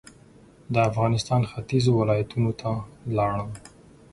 د افغانستان ختيځو ولایتونو ته لاړم.